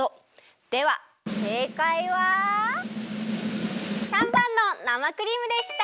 ではせいかいは③ばんの生クリームでした！